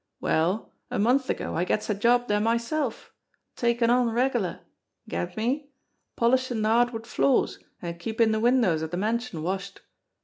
Well, a month ago I gets a job dere myself taken on regu lar. Get me? Polishin' de hardwood floors, an' keepin' de windows of de mansion washed.